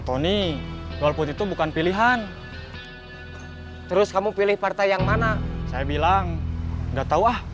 tony golput itu bukan pilihan terus kamu pilih partai yang mana saya bilang enggak tahu ah